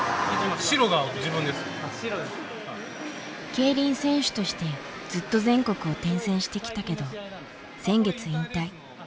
競輪選手としてずっと全国を転戦してきたけど先月引退。